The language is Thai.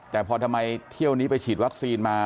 แต่พอทำไมเที่ยวนี้ไปฉีดวัคซีนมา